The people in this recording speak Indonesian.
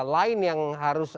lain yang harus